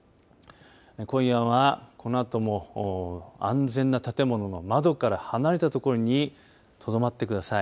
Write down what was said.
今夜はこのあとも安全なところ窓から離れたところにとどまってください。